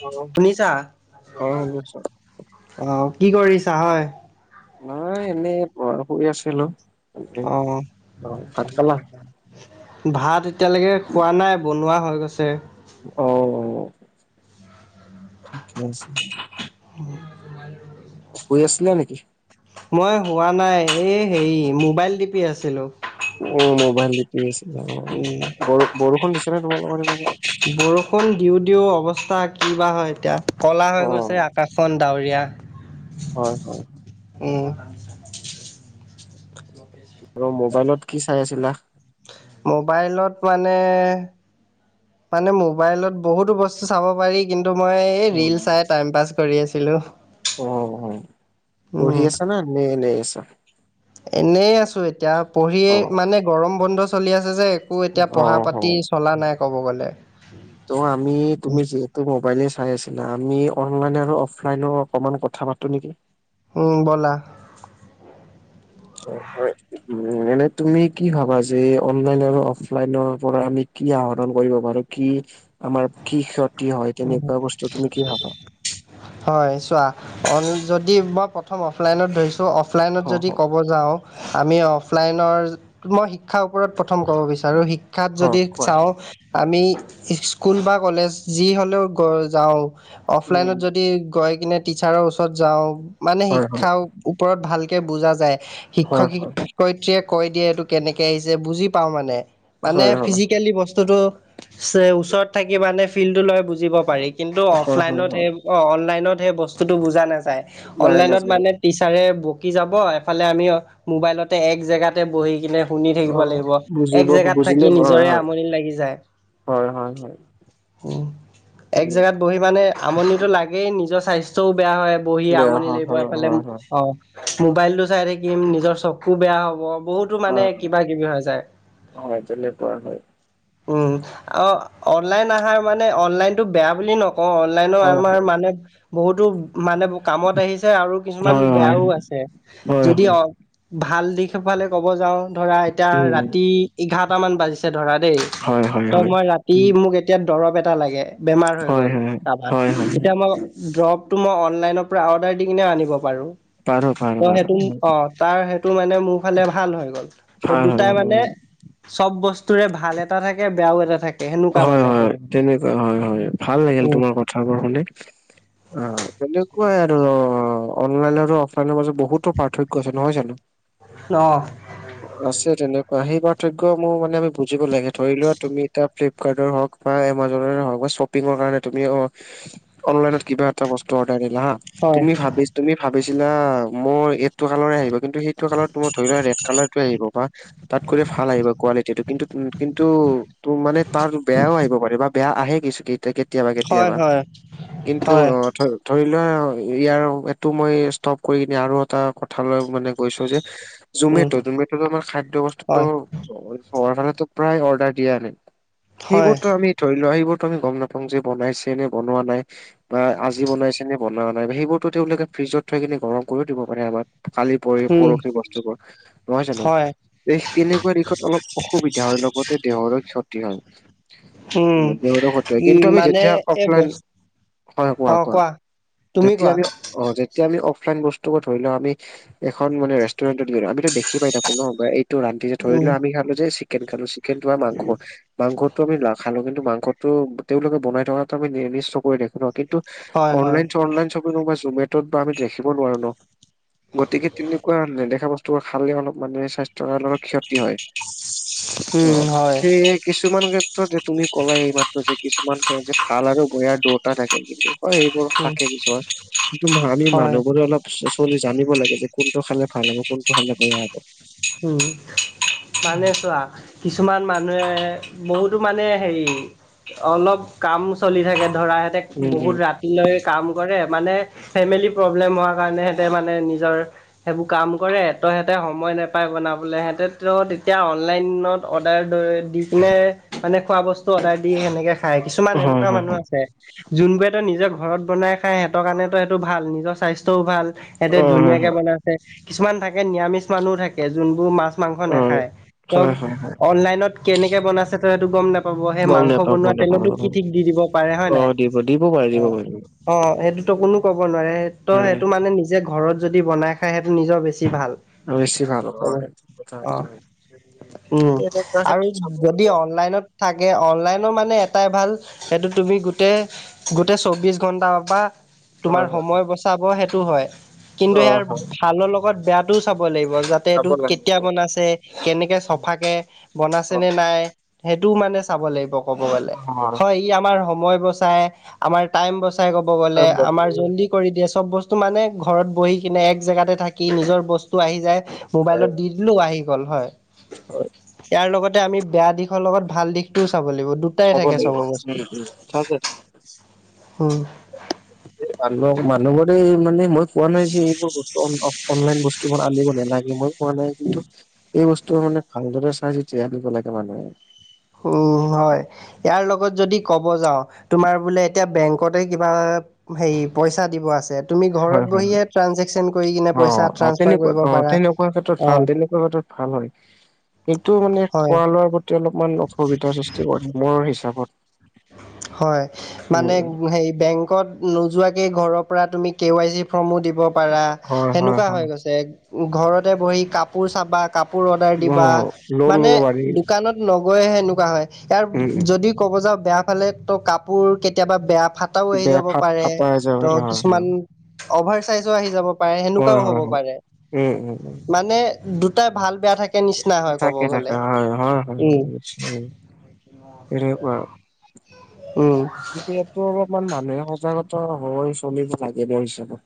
অ', শুনিছা? অ', শুনিছো আহ কি কৰিছা হয়? নহয় এনেই পঢ় শুই আছিলো। অ'। অ', ভাত খালা? ভাত এতিয়ালৈকে খোৱা নাই বনোৱা হৈ গৈছে। অ', অ' ঠিকে আছে। উ'ম। [unintelligible] শুই আছিলা নেকি? মই শুৱা নাই, এই হেৰি মোবাইল টিপি আছিলো। অ' মোবাইল টিপি আছিলা অ', উম ব বৰষুণ দিছে নে তোমালোকৰ হেইফালে? বৰষুণ দিওঁ দিওঁ অৱস্থা কি বা হয় এতিয়া ক'লা হৈ গৈছে অ', আকাশখন ডৰীয়া। হয়, হয়। উম। আৰু মোবাইলত কি চাই আছিলা? মোবাইলত মানে, মানে মোবাইলত বহুতো বস্তু চাব পাৰি। কিন্তু মই এই অ', ৰিল চাই টাইম পাছ কৰি আছিলো। অ', অ' পঢ়ি উম আছা না নে নে এনেই আছা? এনেই আছোঁ এতিয়া, পঢ়িয়েই অ', মানে গৰম বন্ধ চলি আছে যে। একো এতিয়া পঢ়া অ', পাতি অ'। চলা নাই ক'ব গ'লে। আমি তুমি যিহেতু ত' মোবাইলে চাই আছিলা। আমি অ'নলাইন আৰু অফলাইনৰ অকমান কথা পাতো নেকি? উম ব'লা। অ' হয়। উম, এনেই তুমি কি ভাবা যে অ'নলাইন আৰু অফলাইনৰ পৰা আমি কি আহৰণ কৰিব পাৰো? কি আমাৰ কি ক্ষতি হয়, তেনেকুৱা বস্তু তুমি কি ভাবা? হয়, চোৱা, যদি মই প্ৰথম অফলাইনত ধৰিছো, অফলাইনত হ হ যদি ক'ব ক'ব যাওঁ, আমি অফলাইনৰ মই শিক্ষাৰ ওপৰত প্ৰথম ক'ব বিচাৰোঁ। শিক্ষ ক্ষাত হ যদি কোৱা চাওঁ, আমি স্কুল বা কলেজ যি হ'লেও গ যাওঁ, উম অফলাইনত যদি গৈ কিনে টিচাৰৰ ওচৰত যাওঁ। মানে হয় হয় শিক্ষাৰ ওপৰত ভালকে বুজা যায়। হয় শিক্ষক হয় শিক্ষত্ৰীয়ে কৈ দিয়ে এইটো কেনেকে আহিছে বুজি পাওঁ মানে, মানে হয় হয় ফিজিকেলি বস্ত বস্তু টো ওচৰত থাকি মানে ফিলটো লৈ বুজিব পাৰি। কিন্তু হয় অফলাইন হয় হয় অ' অনলাইনত সেই বস্তুটো বুজা নাযায়। নাই অনলাইনত নাজানো মানে টিচাৰে বকি যাব, এফালে আমি মোবাইলতে এক জেগাতে বহি কিনে শুনি অ থাকিব লাগিব। এক বুজিব জেগাত থাকি বুজিলে হয় নিজৰে হয় আমনি লাগি যায়। হয়, হয়, হয়। উম, এক উম জেগাত বহি মানে আমনিটো লাগেই নিজৰ স্বাস্থ্যও বেয়া হয়। বহি বেয়া আমনি হয় লাগিব, হয় এইফালে হয় হয় অঁ। মোবাইল টো চাই থাকিম নিজৰ চকু বেয়া হ'ব। বহুত- টো মানে হয় কিবা কিবি হৈ যায়। হয় তেনেকুৱা হয় উম, অ' অনলাইন আহাৰ মানে অনলাইনতটো বেয়া বুলি নক কওঁ, অনলাইনো হয় আমাৰ মানে বহুতো মানে কামত আহিছে আৰু কিছুমান হয় বেয়াও আছে। হয়, যদি হয়। অ ভাল দিশফালে কব যাও ধৰা এতিয়া উম ৰাতি এঘাৰটা মান বাজিছে ধৰা দেই, হয় হয় তই হয় মই ৰাতি উম, মোক, এতিয়া দৰৱ এটা লাগে বেমাৰ হৈ হয় গল হয় তাপা হয় হয় হয়। এতিয়া মই, দৰপটো মই অনলাইনৰ পৰা অৰ্ডাৰ দি কিনে আনিব পাৰো পাৰ হ পাৰ ত হ পাৰ সেইটো অ, তাৰ সেইটো মানে মোৰ ফালে ভাল হৈ গ'ল ত ভাল হয় দুটাই মানে, চব বস্তুৰে ভাল এটা থাকে বেয়াও এটা থাকে সেনেকুৱা হয় মানে। হয় ক'ব গ'লে। তেনেকুৱ হয় হয় ভাল লাগিল উম তোমাৰ কথাবোৰ শুনি অ। কোৱাই আৰু অনলাইন আৰু অফলাইনৰ মাজত বহুতো পাৰ্থক্য আছে নহয় জানো। অঁহ, আছে তেনেকুৱা সেই পাৰ্থক্য মোৰ মানে আমি বুজিব লাগে ধৰি লোৱা তুমি এ, ফিলীকাদ্ৰৰ হক বা এমাজনৰ হক বা চপিঙ কাৰণে তুমি অহ অনলাইনত কিবা এটা বস্ত, অৰ্ডাৰ দিলা হা হয় তুমি ভাবি তুমি ভাবিছিলা মোৰ এইটো কালৰে আহিব কিন্তু সেই, কালাৰ তো মই ধৰি লোৱা ৰেড কালাৰটো আহিব বা, তাত কটি ভাল আহিব কোৱালিটিটো কিন্তু কিন্তু তো মানে, তাৰ বেয়াও আহিব পাৰে বা বেয়া আহে কিছু কেতিয়াবা হয় কেতিয়াবা হয় কিন্তু হয় অ ধৰি লোৱা ইয়াৰ এইটো মই ষ্টপ কৰি কিনে আৰু এটা কথা লৈ মানে গৈছো যে, উম জমেট জমেটো আমাৰ খাদ্যয় হয় বস্তুতটো চহৰ ফালে প্ৰায় অৰ্ডাৰ দিয়া যাই, হয় সেইবোৰতো আমি ধৰি লোৱা সেইবোৰতো আমি গম নাপাওঁ যে বনাইছে নে বনোৱা নাই। বা আজি বনাইছে নে বনা নাই সেইবোৰতো তেওঁলোকে ফ্ৰিজত থৈ কিনে গৰম কৰিও দিব পাৰে আমাক। খালি পৰি উম পৰহি বস্তুবোৰ নহয় জানো। হয় তেনেকুৱা দিশত অলপ অসুবিধা হয় লগতে দেহৰো ক্ষতি হয়। উম দেৰ স উম কিন্তু আমি মানে যেতিয়া এই অফলাইন, বস্তু হয় কোৱা কোৱা তুমি যেতিয়া কোৱা আমি অ যেতিয়া আমি অফলাইন বস্তু ধৰি লও আমি। এখন মানে ৰেষ্টুৰেণ্টত গলো আমিতো দেখি পাই থাকো ন বা, টো ৰান্ধি যে ধৰি উম লোৱা আমি খালো যে চিকেন খালো চিকেনটো মাংস মাংসটো আমি ল খ নাখালো কিন্তু মাংসতটো তেওঁলোকে বনাই থকাটো আমি নিষ্ট কৰি দেখো ন কিন্তু হয় হয় অনলাইন চঅনলাই চ, কোৱা জমেটত বা আমি দেখিব নোৱাৰো ন। গতিকে তেনেকুৱা নেদেখা বস্তুবোৰ খালে অলপ মানে স্বাস্থ্যৰ কাৰণে অলপ ক্ষতি হয়। অ উম হয় কি, কিছুমান ক্ষেত্ৰত যে তুমি ক'লা এইমাত্ৰ যে কিছুমান ক্ষ যে ভাল আৰু বেয়াৰ দুটা থাকে কিন্তু। হয় এইবোৰ উম থাকে কিছুমান কিন্তু আমি হয় মানুহবোৰে অলপ, চলি জানিব লাগে যে কোনটো খালে ভাল হ'ব কোনটো খালে বেয়া হব। উম মানে উম চোৱা। কিছুমান মানুহে বহুতো মানে হেৰি, অলপ কাম চলি থাকে ধৰা হেঁতে বহুত উম ৰা লৈ কাম কৰে মানে ফেমিলি প্ৰব্লেম হোৱা কাৰণে সেহঁতে মানে নিজৰ, সেইবোৰ কাম কৰে এতহেতে সময় নাপায়, পায় বনাবলৈ সিহঁতে তো তেতিয়া অনলাইনত অৰ্ডাৰ লৈ দিছিলে। মানে খোৱা বস্তু অৰ্ডাৰ দি সেনেকে খাই কিছুমান হয় সেনেকুৱা হয় মানুহ হয় আছে। যোনবোৰে টো নিজৰ ঘৰত বনাই খাই সিহঁতৰ কাৰণে তো সেইটো ভাল নিজৰ স্বাস্থ্যও ভাল। সিহঁতে অ হয় ধুনীয়াকে হয় বনাইছে কিছুমান থাকে নিৰামিষ মানুহ থাকে যোনবোৰ মাছ, মাংস অ নাখায় ত হয় হয় হয় অনলাইনত কেনেকে বনাইছে ত সটো গম নাপ পাব সেই গম মাংস নাপাওঁ গম বনোৱা তেলতো নাপাওঁ গম কি নাপাওঁ। ঠিক দি দিব পাৰে হয় অ নাই দিব দিব পাৰে অ, দিব পাৰিব অ সেইটোতো কোনো ক'ব নোৱাৰে স তো নাই সেইটো নাই মানে নি, যে ঘৰত যদি বনাই খায় সেইটো নিজৰ বেছি ভাল। অ'বেছি ভাল। হ'ব হয় ঠিক কথা কৈছা, অ' হয়। উম, এনেকুৱা আৰু ক্ষেত্ৰত চাব [unintelligible] যদি গ'লে অনলাইনত থাকে অনলাইনৰ মানে, এটাই ভাল সেইটো তুমি গোটেই গোটেই চৌব্বিছ ঘণ্টা, অক বা হয় তোমাৰ হয় হয় সময় বচাব সেইটো হয়, কিন্তু অ ইয়াৰ হয় ভালৰ লগত বেয়াটোও চাব লাগিব যা তে চাব এইটো লাগিব অ কেতিয়া হয় হয়। বনাইছেকেনেকে চফাকে হয়, বনাছেনে নাই সেইটোও মানে চাব লাগিব ক'ব গলে হয়। ই আমাৰ সময় বচাই, আমাৰ টাইম বচাই, ক'ব গলে চাব লাগিব আমাৰ জল্দি কৰি দিয়ে চব বস্তু মানে, ঘৰত বহি কিনে এক জেগাতে থাকি নিজৰ বস্তু আহি যায়। মোবাইলত দি দিলোঁ আহি গ'ল হয়। [inaudible] ইয়াৰ লগতে আমি বেয়া দিশৰ লগত, ভাল দিশটোও চাব লাগিব দু টাই থাকে [unintelligible] উম উম উম, [inaudible] [unintelligible] মানুহবুৰে মানে, মই কোৱা নাই যে এইবোৰ বস্তু [unintelligible] অনলাইন বস্তু বোৰ আনিব নেলাগে, মই কোৱা নাই কিন্তু এই বস্তু মানে, ভালদৰে চাই চেতিহে আনিব লাগে মানুহে। উ, হয়। ইয়াৰ লগত যদি ক'ব যাওঁ, তোমাৰ বোলে এতিয়া বেংকতে কিবা হেই পইচা দিব আছে। তুমি ঘৰত হয় হয় বহিয়ে হয়। ট্ৰানজেকচন কৰি কিনে অ পইচা অ ট্ৰাঞ্চফাৰ তেনেকুৱা কৰিব অ পাৰা তেনেকুৱা ক্ষেত্ৰত ভাল অ'। তেনেকুৱা ক্ষেত্ৰত ভাল হয় এইটো মানে, হয় খোৱা লোৱাৰ পত তি অলপমান অসুবিধাৰ সৃষ্টি কৰে মৰ হিচাপত উম, উ, হেই বেংক কত নোযোৱাকেই ঘৰৰ পৰা তুমি কে ৱাই চি ফৰ্মো দিব পাৰা হয় হয় সেনেকুৱা হৈ হয় গৈছে। ঘৰতে বহি কাপোৰ চাবা, কাপোৰ অৰ্ডাৰ অ দিবা লোন মানে, ল'ব পাৰি দোকানত নগৈহে এনেকুৱা হয়, উম উম। [unintelligible] যদি ক'ব যাওঁ বেয়া ফালে ত কাপোৰ কেতিয়াবা বেয়া ফাত টাও আহি বেয়া যাব ফাপ পাৰে, ফাপা যায় ত হয় হয় কিছুমান অভাৰ চাইজও আহি যাব হয় সেনেকুৱাও হ'ব হয় হয় পাৰে উম উম উম। মানে, দুটা ভাল-বেয়া থাকি থাকে, থাকে হয়, হয়, হয় উম নিশ্চয় তেনেকুৱা আৰু। উম, তে ইয়াতো অলপমান মানুহে সজাগত হৈ চলিব লাগে মোৰ হিচাপত।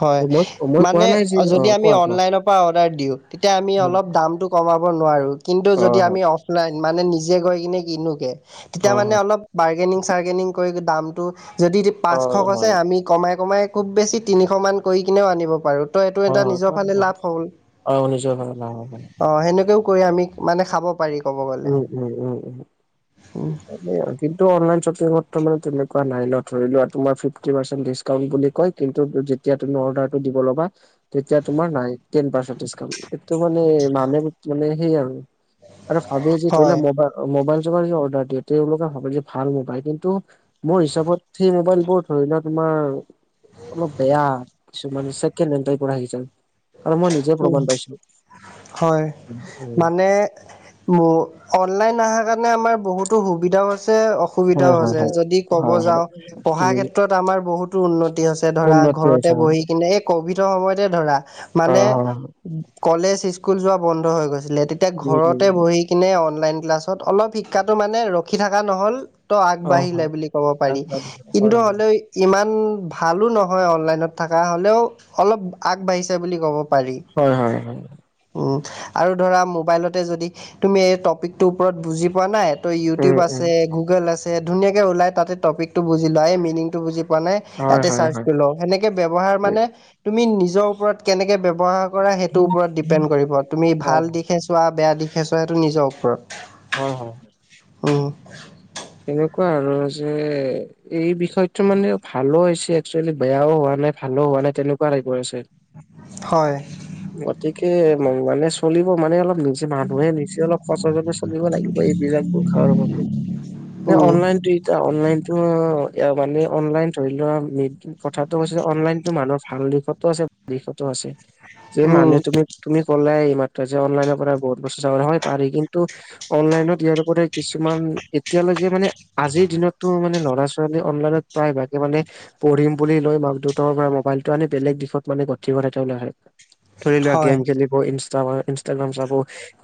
হয় মই মই কোৱা মানে, নাই যে অ' যদি আমি কোৱা কোৱা অনলাইনৰ পৰা অৰ্ডাৰ দিওঁ, তেতিয়া আমি অলপ দামটো কমাব নোৱাৰোঁ কিন্তু যদি আমি অফলাইন মানে নিজে গৈ কিনে কিনোগে তেতিয়া হয় মানে হয় অলপ বাৰ্গেনিং-চাৰ্গেনিং কৰি দামটো যদি পাঁচশ হয় কৈছে হয়। আমি কমাই, কমাই খুব বেছি তিনিশমান কৰি কিনেও আনিব পাৰোঁ। ত এইটো অ এটা হয় নিজৰ হয় ফালে হয় লাভ হ'ল। অ শুনিছো হয় হয় হয়। অ'সেনেকৈও কৰি আমি মানে খাব পাৰি। ক'ব গ'লে উম, উম, উম [inaudible] [unintelligible] কিন্ত অনলাইন চপিংতটো তোমাৰ তেনেকুৱা নাই ন, ধৰি লোৱা তোমাৰ ফিপটি পাৰচেণ্ট ডিস্ক কাউণ্ট বুলি কয়, কিন্তু যেতিয়া তুমি অৰ্ডাৰটো দিব ল'বা, তেতিয়া তোমাৰ নাই। টেন পাৰ্চেন্ত দিচকাউণ্ট এইটো মানে, মানে সেইট সেই আৰু। আৰু ভাবে যে ধৰি লোৱা হয় মোবা-মোবাইল চোবাইল কিবা অৰ্ডাৰ দিয়ে, তেওঁলোকে ভাবে যে ভাল মোবাইল কিন্তু মোৰ হিচাপত সেই মোবাইলবোৰ ধৰি লোৱা তোমাৰ অলপ বেয়া, কিছুমান ছেকেন হেন টাইপৰ আহি যায়। কাৰণ মই নিজে উম, প্ৰমাণ পাইছিলোঁ [unintelligible] নে - বহু অনলাইন আহা কাৰণে আমাৰ বহুতো সুবিধাও আছে, অ হয় সুবিধাও হয় আছে যদি হয় ক'ব হয় হয় যাওঁ - পঢ়া উম ক্ষেত্ৰত আমাৰ বহুতো উন্নতি হৈছে। ধৰা, উন্নতি ঘৰতে হৈছে বহিকিনে এই কভিডৰ সময়তে ধৰা - মানে হয় হয় হয় হয় কলেজ, স্কুল যোৱা বন্ধ হৈ গৈছিলে। তেতিয়া উম ঘৰতে উম বহি - কিনে অনলাইন ক্লাছত অলপ শিক্ষাটো মানে ৰখি থাকা নহ'ল - ত' অ আগবাঢ়িলে হয় বুলি ক'ব পাৰি। আগবাঢ়িছে কিন্তু হয় হ'লেও - ইমান ভালো নহয় অনলাইনত থাকা হ'লেও অলপ আগবাঢ়িছে বুলি ক'ব পাৰি। হয়, হয় হয়। উম, আৰু ধৰা মোবাইলতে যদি তুমি এই টপিকটোৰ ওপৰত বুজি পোৱা নাই - ত' উম ইউটিউব উম আছে, গুগল আছে ধুনীয়াকে ওলাই তাতে টপিকটো বুজি লোৱা, এই মেনিংটো বুজি পোৱা নাই - হয় তাতে হয় চাৰ্চ হয় কৰি লওঁ। সেনেকে ব্যৱহাৰ উম মানে, তুমি নিজৰ ওপৰত কেনেকে ব্যৱহাৰ - কৰা সেইটোৰ ওপৰত ডিপেণ্ড কৰিব। তুমি হয় ভাল হয় দিশে চোৱা, বেয়া দিশে চোৱা সেইটো নিজৰ ওপৰত। হয়, হয়। উম, এনেকুৱা আৰু যে - এই বিষয়টো মানে ভালো হৈছে এক্সোৱেলি বেয়াও হোৱা নাই, ভালো হোৱা নাই তেনেকুৱা টাইপৰ আছে। হয়। গতিকে, মান মানে চলিব মানে, অলপ নি জে মানুহে নিজে অলপ সচেতনে চলিব লাগিব। [unintelligible] এই উম, অনলাইন - দুইটা অনলাইনটো, অঁ এয়া মানে অনলাইন ধৰি লোৱা মি কথাটো হৈছে অনলাইনটো মানস ভাল দিশ - ফটো চেফটি ফটো আছে, যে উম, মানে তুমি - তুমি ক'লাই এই মাত্ৰ যে অনলাইনৰ পৰা বহুত বস্তু চাব পাৰি। হয় পাৰি কিন্তু - অনলাইনত ইয়াৰ ওপৰতে কিছুমান এ তিয়ালেকে মানে, আজিৰ দিনটো মানে ল'ৰা-ছোৱালী অনলাইনত প্ৰায়ভাগে মানে - পঢ়িম বুলি লয় মাক দেউতাকৰ পৰা মোবাইলটো আনি বেলেগ দিশত মানে গতি কৰে তেওঁলোকে। ধৰিলোৱা, হয়, গেম খেলি ব ইনষ্টাগা- ইনষ্টাগ্ৰাম চাব,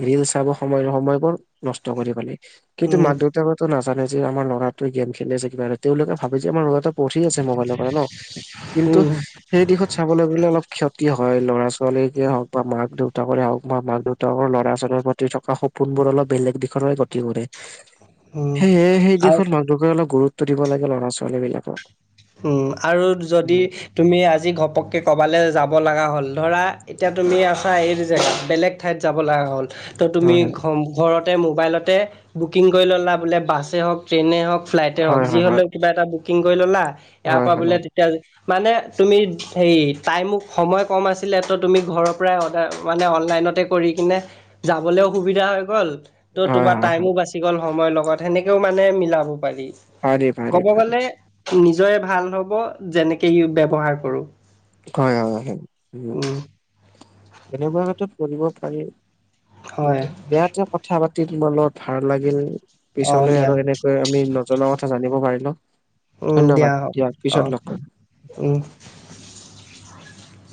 ৰিল চাব সময় নহব সেই বোৰ নষ্ট কৰি পেলাই। কিন্তু উম, মাক-দেউতাকেটো নাজানে যে আমাৰ ল'ৰাটোৱে গেম খেলি আছে কিবা এটাত। তেওঁলোকে ভাৱে যে আমাৰ ল'ৰাটো - পঢ়ি আছে মোবাইলৰ পৰা ন, ' কিন্তু উম, - সেই দিশত চাবলে গ'লে অলপ ক্ষতি হয়। ল'ৰা -ছোৱালীকে হওক বা মাক -দেউতাকৰে হওক বা মাক -দেউ ত ল'ৰা -ছোৱালীৰ প্ৰতি থকা সপোনবোৰ অলপ বেলেগ দিশলে গতি কৰে। উম, সেয়েহে সেই আৰু দিশত মাক-দেউতাকে অলপ গুৰুত্ব দিব লাগে ল'ৰা-ছোৱালী বিলাকক। হুঁম আৰু যদি - তুমি আজি ঘপককে ক'বালে যাব লগা হ'ল। ধৰা, এতিয়া তুমি আছা এইটো জেগাত, বেলেগ - ঠাইত যাব লাগা হ'ল - ত' তুমি হয় ঘম ঘৰতে মোবাইলতে বুকিং কৰি ল'লা বোলে বাছেই হওক - ট্ৰেইনে হওক, ফ্লাইটে হওক হয় যি হয় হয় হ'লেও কিবা এটা বুকিং কৰি ল'লা, হয় এইয়াপা হয় বোলে তেতিয়া - মানে তুমি হেৰি টাইমো সময় কম আছিলে, ত' তুমি ঘৰৰ পৰাই অৰ্ডাৰ মানে অনলাইনতে - কৰি কিনে যাবলেও সুবিধা হৈ গ'ল - ত' হয় হয় তোমাৰ হয় হয় টাইমো হয় বাচি গ'ল সময়ৰ লগত, সেনেকেও মানে মিলাব - পাৰি। পাৰি পাৰি ক'ব পাৰি গ'লে - নিজৰে ভাল হ'ব যেনেকে ইউ ব্যৱহাৰ কৰোঁ। হয়, হয় হয়, উম। তেনেকুৱা ক্ষেত্ৰত কৰিব পাৰি, হয় কিন্তু - দিয়াতে কথা পাতি তোমাৰ লগত ভাল লাগিল। অ পিছলৈ দিয়া আৰু এনে কে আমি নজনা কথা জানিব পাৰিলোঁ। উমঁ, দিয়া হ'ক। অঁহ', উমঁ।